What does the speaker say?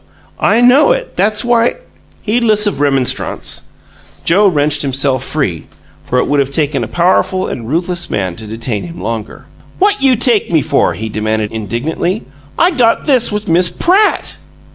"I know it. That's why " Heedless of remonstrance, Joe wrenched himself free, for it would have taken a powerful and ruthless man to detain him longer. "What you take me for?" he demanded, indignantly. "I got this with Miss PRATT!"